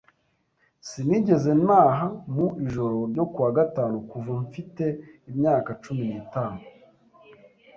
Sinigeze ntaha mu ijoro ryo kuwa gatanu kuva mfite imyaka cumi n'itatu.